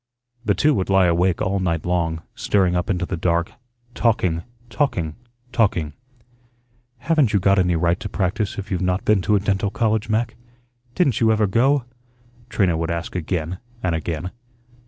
The two would lie awake all night long, staring up into the dark, talking, talking, talking. "Haven't you got any right to practise if you've not been to a dental college, Mac? Didn't you ever go?" Trina would ask again and again.